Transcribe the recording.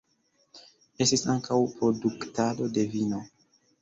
Estis ankaŭ produktado de vino.